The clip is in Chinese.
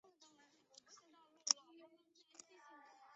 缅南杭子梢为豆科杭子梢属下的一个亚种。